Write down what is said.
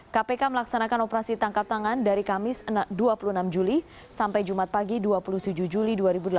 kpk melaksanakan operasi tangkap tangan dari kamis dua puluh enam juli sampai jumat pagi dua puluh tujuh juli dua ribu delapan belas